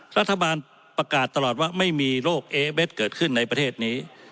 รัฐบาลประกาศตลอดว่าไม่มีโรคเอเบ็ดเกิดขึ้นในประเทศนี้